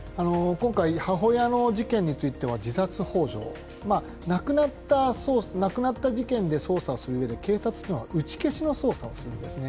今回、母親の事件については自殺ほう助、亡くなった事件で捜査するうえで、警察は打ち消しの捜査をするんですね。